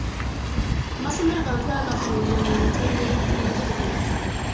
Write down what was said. Amasomero gano twagatunuulira mu mitendera egy’enjawulo.